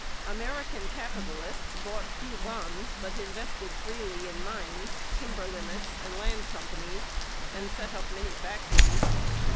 American capitalists bought few bonds but invested freely in mines, timber limits, and land companies, and set up many factories.